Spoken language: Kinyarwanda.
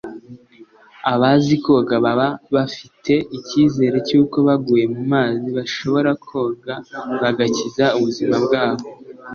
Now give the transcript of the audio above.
Abazi koga baba bafite icyizere cy’uko baguye mu mazi bashobora koga bagakiza ubuzima bwabo